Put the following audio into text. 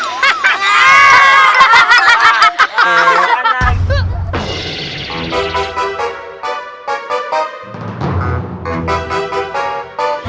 ini udah itu